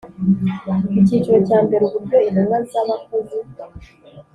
Icyiciro cya mbere Uburyo intumwa z abakozi